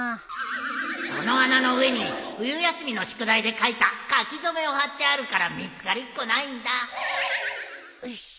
その穴の上に冬休みの宿題で書いた書き初めを貼ってあるから見つかりっこないんだ